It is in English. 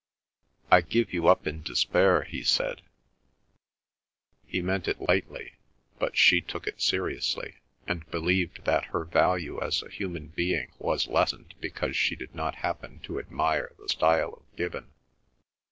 "I give you up in despair," he said. He meant it lightly, but she took it seriously, and believed that her value as a human being was lessened because she did not happen to admire the style of Gibbon.